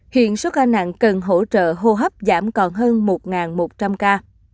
hiện số ca nặng cần hỗ trợ hô hấp giảm còn hơn một một trăm linh ca